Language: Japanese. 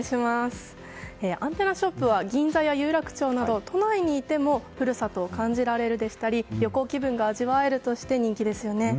アンテナショップは銀座や有楽町など都内にいても故郷を感じられたり旅行気分を感じられるとして人気ですよね。